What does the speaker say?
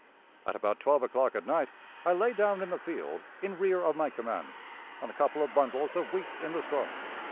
At about twelve o'clock at night I lay down in the field in rear of my command, on a couple of bundles of wheat in the straw.